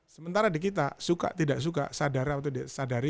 sementara di kita suka tidak suka sadar atau tidak sadari